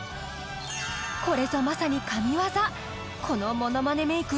これぞまさに神業このものまねメイク